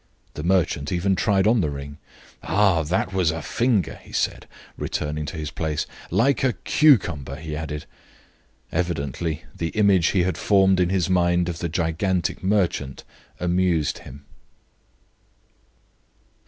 The merchant even tried on the ring. "Ah! that was a finger," he said, returning to his place; "like a cucumber," he added. Evidently the image he had formed in his mind of the gigantic merchant amused him.